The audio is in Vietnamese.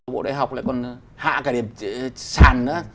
bộ đại học lại còn hạ cả điểm sàn nữa